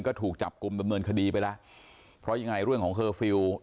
ก็ถูกจับกลุ่มดำเนินคดีไปแล้วเพราะยังไงเรื่องของเคอร์ฟิลล์